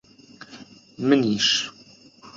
منیش.